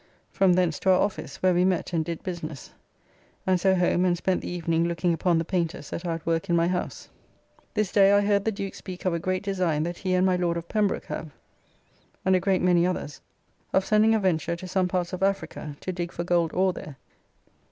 From thence to our office, where we met and did business, and so home and spent the evening looking upon the painters that are at work in my house. This day I heard the Duke speak of a great design that he and my Lord of Pembroke have, and a great many others, of sending a venture to some parts of Africa to dig for gold ore there.